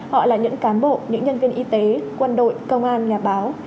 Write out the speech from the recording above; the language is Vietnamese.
họ là những cán bộ những nhân viên y tế quân đội công an nhà báo